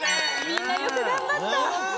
みんなよくがんばった。